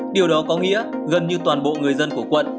điều đó có nghĩa gần như toàn bộ người dân của quận